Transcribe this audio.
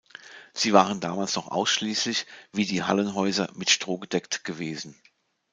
Sie waren damals noch ausschließlich, wie die Hallenhäuser, mit Stroh gedeckt gewesen.